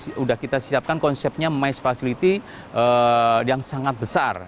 di sini nanti kita akan sudah kita siapkan konsepnya maze facility yang sangat besar